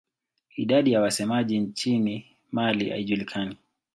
Idadi ya wasemaji nchini Mali haijulikani.